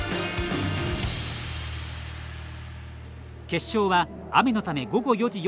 決勝は雨のため午後４時４４分開始。